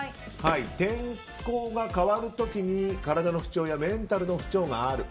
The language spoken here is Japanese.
天候が変わる時に体の不調やメンタルの不調がある。